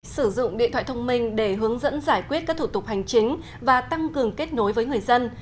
sử dụng điện thoại thông minh để hướng dẫn giải quyết các thủ tục hành chính và tăng cường kết nối với người dân